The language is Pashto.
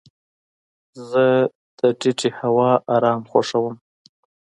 زه د ټیټې هوا ارام خوښوم.